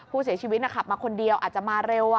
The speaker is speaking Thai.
ผู้เสียชีวิตขับมาคนเดียวอาจจะมาเร็ว